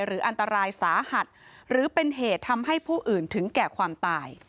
หรืออันตรายสาหัสหรือเป็นเหตุทำให้ผู้อื่นถึงแก่ความตาย